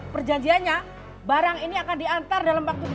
perjanjianya barang ini akan diantar dalam waktu tiga puluh menit